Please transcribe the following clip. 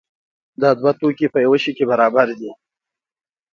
دا دوه توکي په یو شي کې برابر دي.